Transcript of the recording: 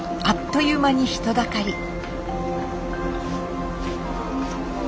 あっという間に人だかり。